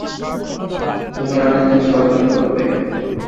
তুমি অনেককিছু অর্জন করবে।